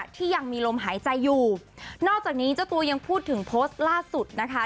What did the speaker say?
ที่ยังมีลมหายใจอยู่นอกจากนี้เจ้าตัวยังพูดถึงโพสต์ล่าสุดนะคะ